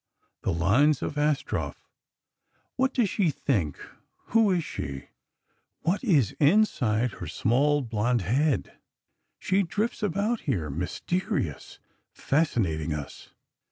The lines of Astroff: "What does she think ... who is she ... what is inside her small blonde head? She drifts about here, mysterious, fascinating us....